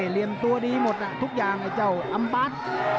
เรียนตัวดีหมดน่ะทุกอย่างไอ้เจ้าอ่ำบ๊าส